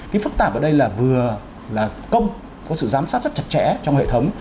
cái phức tạp ở đây là vừa là công có sự giám sát rất chặt chẽ trong hệ thống